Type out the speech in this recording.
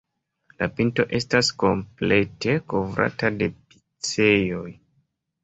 La pinto estas komplete kovrata de piceoj.